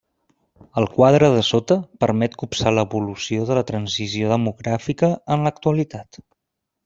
El quadre de sota permet copsar l'evolució de la transició demogràfica en l'actualitat.